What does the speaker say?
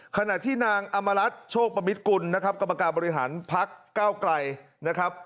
ขนาดที่นางอมรัชโชกปมิตคุณกรรมการบริหารภักดิ์ก้าวกลาย